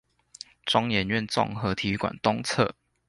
中研院綜合體育館東側